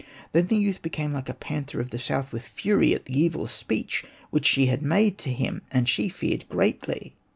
Then the youth became like a. panther of the south with fury at the evil speech which she had made to him ; and she feared greatly.